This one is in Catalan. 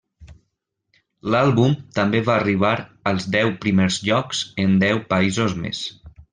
L'àlbum també va arribar als deu primers llocs en deu països més.